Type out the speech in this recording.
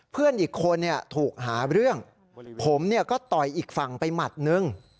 เพื่อนอีกคนถูกหาเรื่องผมก็ต่อยอีกฝั่งไปหมัดนึง